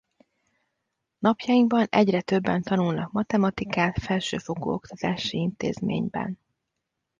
Napjainkban egyre többen tanulnak matematikát felsőfokú oktatási intézményben.